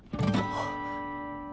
あっ。